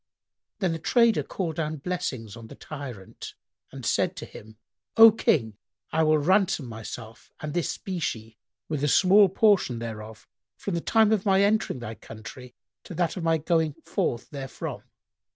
Then the trader called down blessings on the tyrant and said to him, "O King, I will ransom myself and this specie with a small portion thereof, from the time of my entering thy country to that of my going forth therefrom."